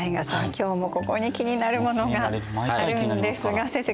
今日もここに気になるものがあるんですが先生